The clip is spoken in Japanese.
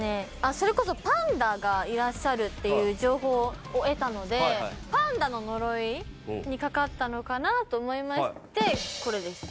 それこそパンダがいらっしゃるっていう情報を得たのでパンダの呪いにかかったのかなと思いましてこれです。